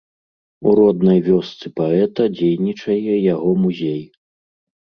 У роднай вёсцы паэта дзейнічае яго музей.